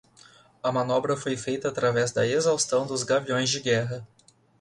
A manobra foi feita através da exaustão dos gaviões de guerra